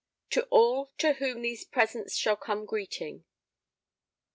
To all to whom these presents shall come greeting.